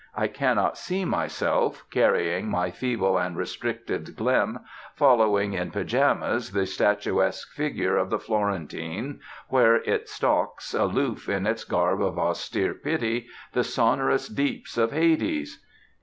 I cannot see myself, carrying my feeble and restricted glim, following (in pajamas) the statuesque figure of the Florentine where it stalks, aloof in its garb of austere pity, the sonorous deeps of Hades.